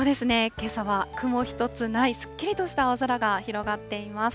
けさは雲一つないすっきりとした青空が広がっています。